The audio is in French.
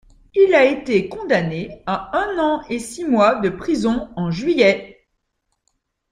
Il a été condamné à un an et six mois de prison en juillet.